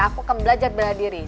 aku akan belajar bela diri